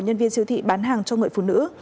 nhân viên siêu thị bán hàng cho người phụ nữ